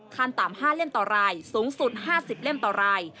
ขั้นต่ำ๕เล่มต่อรายสูงสุด๕๐เล่มต่อราย